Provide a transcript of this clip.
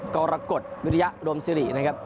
กรกฎวิริยะรวมสิรินะครับ